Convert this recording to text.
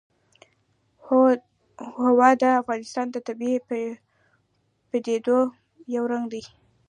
هوا د افغانستان د طبیعي پدیدو یو رنګ دی.